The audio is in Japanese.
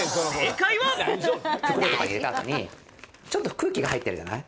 袋とか入れた後にちょっと空気が入ってるじゃない？